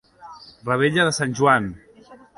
Revetlla de Sant Joan.